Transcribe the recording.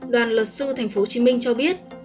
đoàn luật sư tp hcm cho biết